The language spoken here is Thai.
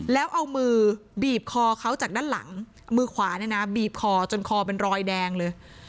แล้วเอามือบีบคอเขาจากด้านหลังมือขวาเนี่ยนะบีบคอจนคอเป็นรอยแดงเลย